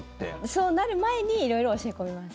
そうなる前に色々教え込みます。